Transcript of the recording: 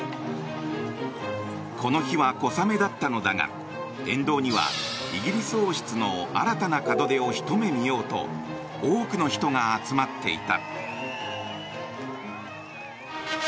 この日は小雨だったのだが沿道にはイギリス王室の新たな門出をひと目見ようと多くの人が集まっていた。